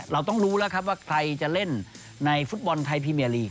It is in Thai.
เราต้องรู้แล้วครับว่าใครจะเล่นในฟุตบอลไทยพรีเมียลีก